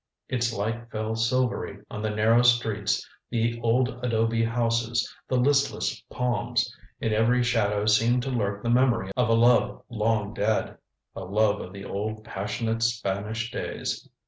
Its light fell silvery on the narrow streets, the old adobe houses, the listless palms. In every shadow seemed to lurk the memory of a love long dead a love of the old passionate Spanish days.